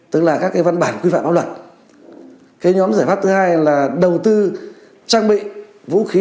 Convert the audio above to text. tức là các cái văn bản quy phạm pháp luật cái nhóm giải pháp thứ hai là đầu tư trang bị vũ khí